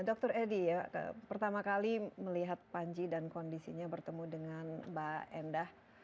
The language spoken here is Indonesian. dokter edi pertama kali melihat panji dan kondisinya bertemu dengan mbak endah